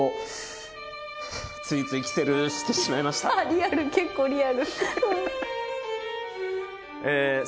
リアル結構リアル。